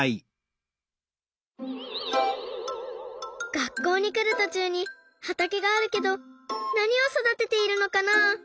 学校にくるとちゅうにはたけがあるけどなにをそだてているのかな？